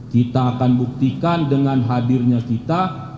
kita akan buktikan dengan hadirnya kita